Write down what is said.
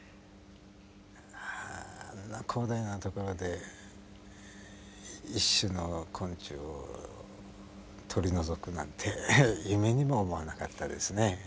あんな広大なところで１種の昆虫を取り除くなんて夢にも思わなかったですね。